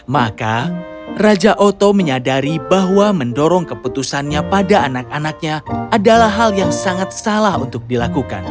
maka raja oto menyadari bahwa mendorong keputusannya pada anak anaknya adalah hal yang sangat salah untuk dilakukan